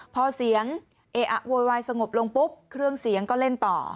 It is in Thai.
พอเสียงเออะโวยวายสงบลงปุ๊บเครื่องเสียงก็เล่นต่อ